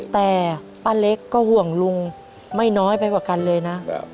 แต่ป้าเล็กก็ห่วงลุงไม่น้อยไปกว่ากันเลยนะ